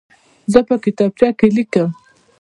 زه په کتابچه کې لیکم.